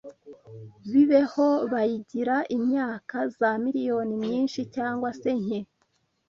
bibeho bayigira imyaka za miliyoni myinshi cyangwa se nke